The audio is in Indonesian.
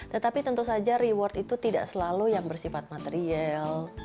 tetapi tentu saja reward itu tidak selalu yang bersifat material